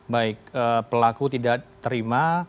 baik pelaku tidak terima